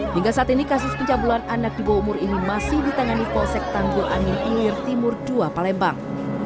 hingga saat ini kasus pencabulan anak di bawah umur ini masih ditangani polsek tanggul angin ilir timur dua palembang